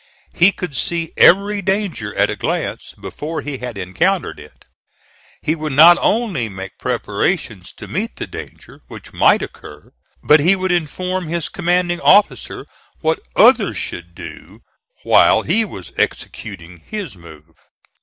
He could see every danger at a glance before he had encountered it. He would not only make preparations to meet the danger which might occur, but he would inform his commanding officer what others should do while he was executing his move.